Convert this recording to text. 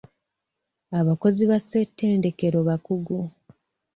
Abakozi ba ssetendekero bakugu.